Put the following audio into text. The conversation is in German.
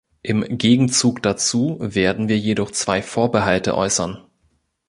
Im Gegenzug dazu werden wir jedoch zwei Vorbehalte äußern.